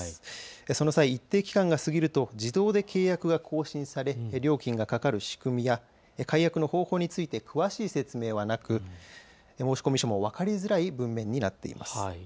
その際、一定期間が過ぎると自動で契約が更新され、料金がかかる仕組みや解約の方法について詳しい説明はなく、申込書も分かりづらい文面になっています。